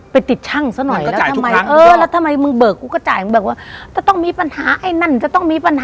ไปติดช่างเสียหน่อย